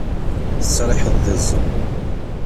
Tettriḥeḍ d iẓẓan.